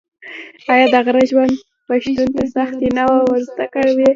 آیا د غره ژوند پښتون ته سختي نه ور زده کوي؟